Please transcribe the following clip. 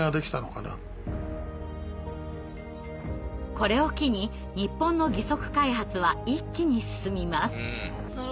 これを機に日本の義足開発は一気に進みます。